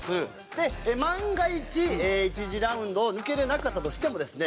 で万が一１次ラウンドを抜けられなかったとしてもですね